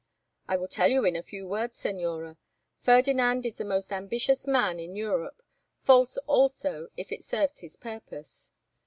"I will tell you in few words, Señora. Ferdinand is the most ambitious man in Europe, false also if it serves his purpose.